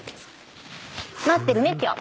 待ってるね今日。